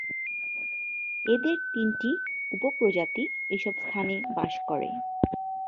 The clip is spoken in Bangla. এদের তিনটি উপপ্রজাতি এসব স্থানে বাস করে।